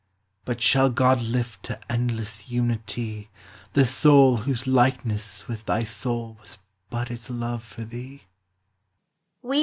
But shall God lift T — unity The sonl whose likeness with thy soul Was I ut its lore for tl •• W .""